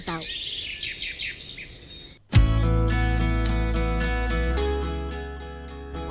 tidak ada yang bisa dikawal